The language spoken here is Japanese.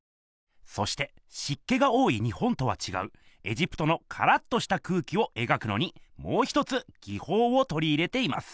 そしてしっけが多い日本とはちがうエジプトのカラッとした空気を描くのにもう一つぎほうをとり入れています。